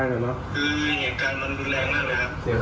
คือเห็นกันมันรุ่นแรงมากเลยครับ